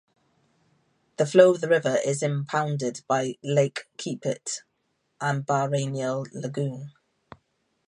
The flow of the river is impounded by Lake Keepit and Baraneal Lagoon.